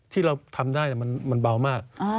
ที่เราทำได้มันเบามาก